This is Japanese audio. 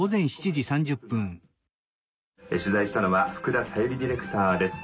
取材したのは福田紗友里ディレクターです。